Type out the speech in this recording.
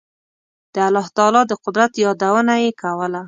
د الله تعالی د قدرت یادونه یې کوله.